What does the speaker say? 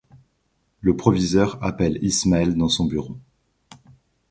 Le proviseur appelle Ismael dans son bureau.